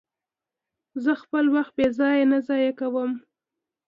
زه خپل وخت بې ځایه نه ضایع کوم.